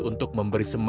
untuk memberi sementara